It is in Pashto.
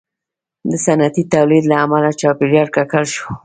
• د صنعتي تولید له امله چاپېریال ککړ شو.